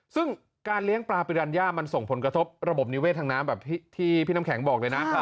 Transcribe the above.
ซึ่งการเลี้ยงปลาปิรัญญามันส่งผลกระทบระบบนิเวศทางน้ำแบบที่พี่น้ำแข็งบอกเลยนะ